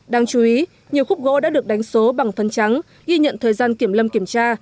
đáng chú ý nhiều khúc gỗ đã được đánh số bằng phân trắng ghi nhận thời gian kiểm lâm kiểm tra